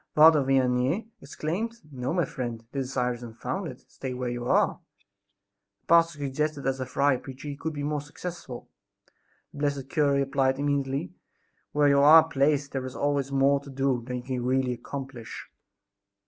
Father Vianney exclaimed: "No, my friend, this desire is unfounded; stay where you are." The pastor suggested that as a friar preacher he could be more successful. The blessed cure replied immediately: "Where you are placed there is always more to do than you can really accomplish!"